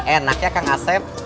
enak ya kang asep